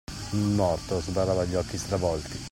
Il morto sbarrava gli occhi stravolti.